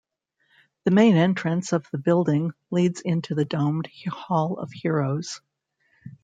The main entrance of the building leads into the domed Hall of Heroes.